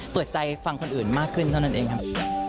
เปิดใจฟังคนอื่นมากขึ้นเท่านั้นเองครับ